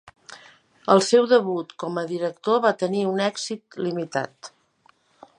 El seu debut com a director va tenir un èxit limitat.